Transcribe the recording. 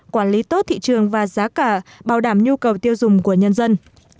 quản lý tốt thị trường và giá cả bảo đảm nhu cầu tiêu dùng của nhân dân